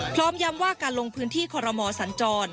พร้อมย้ำว่าการลงพื้นที่คอรมอสัญจร